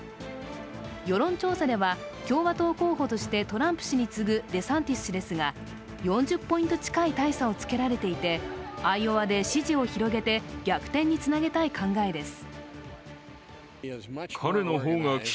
世論調査では共和党候補としてトランプ氏に次ぐデサンティス氏ですが４０ポイント近い大差をつけられていて、アイオワで支持を広げて逆転につなげたい考えです。